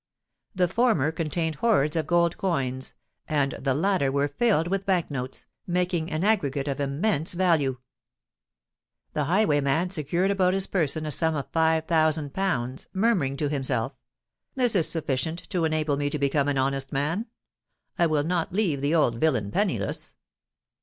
The former contained hoards of gold coins, and the latter were filled with Bank notes, making an aggregate of immense value. The highwayman secured about his person a sum of five thousand pounds, murmuring to himself, "This is sufficient to enable me to become an honest man: I will not leave the old villain penniless."